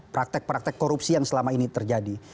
praktek praktek korupsi yang selama ini terjadi